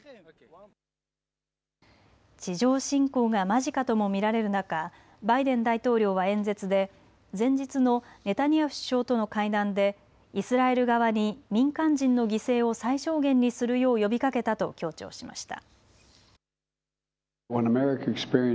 地上侵攻が間近とも見られる中、バイデン大統領は演説で前日のネタニヤフ首相との会談でイスラエル側に民間人の犠牲を最小限にするよう呼びかけたと強調しました。